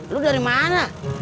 lo dari mana